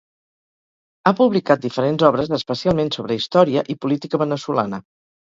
Ha publicat diferents obres, especialment sobre història i política veneçolana.